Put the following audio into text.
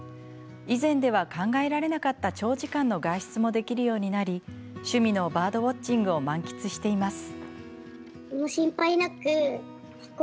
以前では考えられなかった長時間の外出もできるようになり趣味のバードウォッチングを満喫しています。